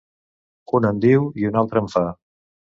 Una en diu i una altra en fa.